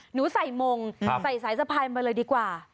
หนูใส่มงใส่สายสะพายมาเลยดีกว่า